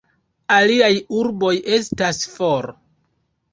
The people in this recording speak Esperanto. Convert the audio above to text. Aliaj urboj estas for.